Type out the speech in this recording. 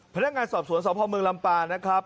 พนักงานสอบสวนสพเมืองลำปางนะครับ